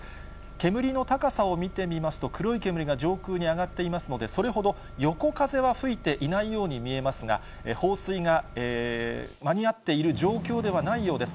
煙の高さを見てみますと、黒い煙が上空に上がっていますので、それほど横風は吹いていないように見えますが、放水が間に合っている状況ではないようです。